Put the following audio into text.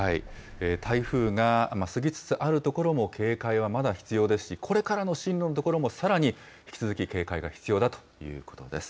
台風が過ぎつつある所も、警戒はまだ必要ですし、これからの進路の所もさらに引き続き警戒が必要だということです。